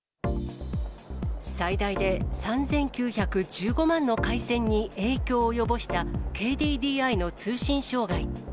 最大で３９１５万の回線に影響を及ぼしたＫＤＤＩの通信障害。